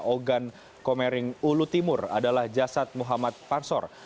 ogan komering ulu timur adalah jasad muhammad pansor